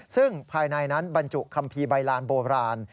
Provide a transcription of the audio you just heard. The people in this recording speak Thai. ซึ่งภายในนั้นบรรจุคัมภีร์ใบลานโบราณ